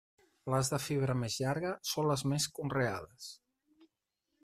Les de fibra més llarga són les més conreades.